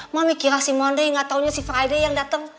mami kira si mondi nggak taunya si friday yang dateng